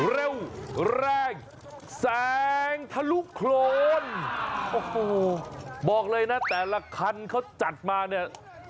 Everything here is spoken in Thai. เร็วแรงแสงทะลุโครนโอ้โหบอกเลยนะแต่ละคันเขาจัดมาเนี่ย